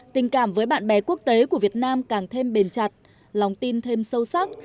tình cảm với bạn bè quốc tế của việt nam càng thêm bền chặt lòng tin thêm sâu sắc